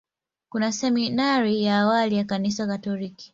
Kuna seminari ya awali ya Kanisa Katoliki.